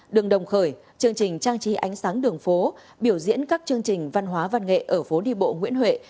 đường đồng khởi chương trình trang trí ánh sáng đường phố biểu diễn các chương trình văn hóa văn nghệ ở phố đi bộ nguyễn huệ